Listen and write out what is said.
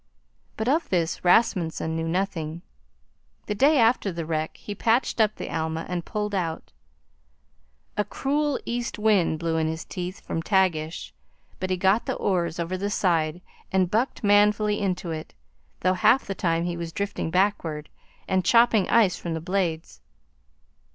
But of this Rasmunsen knew nothing. The day after the wreck he patched up the Alma and pulled out. A cruel east wind blew in his teeth from Tagish, but he got the oars over the side and bucked manfully into it, though half the time he was drifting backward and chopping ice from the blades.